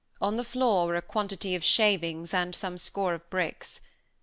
On the floor were a quantity of shavings, and some score of bricks.